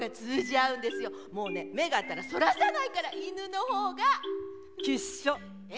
もうね目が合ったらそらさないから犬のほうが！きっしょ。え？